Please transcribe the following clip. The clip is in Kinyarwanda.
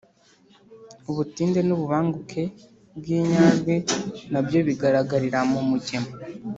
Ubutinde n’ububanguke bw’inyajwi na byo bigaragarira mu mugemo